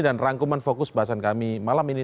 dan rangkuman fokus bahasan kami malam ini